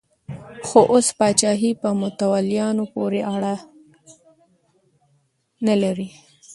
خو اوس پاچاهي په متولیانو پورې اړه نه لري.